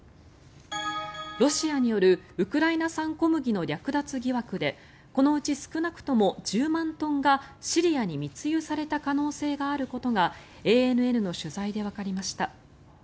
ロシアによるウクライナ産小麦の略奪疑惑でこのうち少なくとも１０万トンがシリアに密輸された可能性があることがＡＮＮの取材でわかりました。